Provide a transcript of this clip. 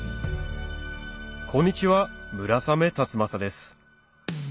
こんにちは村雨辰剛です